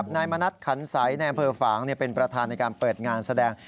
นายมณัฐขันใสในอำเภอฝางเป็นประธานในการเปิดงานแสดง